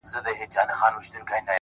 مه وله د سترگو اټوم مه وله!!